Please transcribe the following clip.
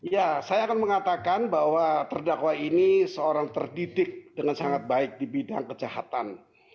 ya saya akan mengatakan bahwa terdakwa ini seorang terdidik dengan sangat baik di bidang kejahatan